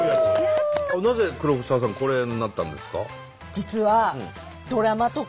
なぜ黒沢さんこれになったんですか？